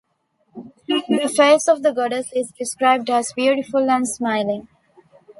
The face of the goddess is described as beautiful and smiling.